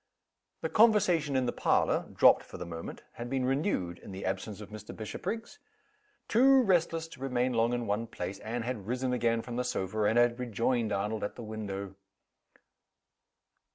The conversation in the parlor (dropped for the moment) had been renewed, in the absence of Mr. Bishopriggs. Too restless to remain long in one place, Anne had risen again from the sofa, and had rejoined Arnold at the window.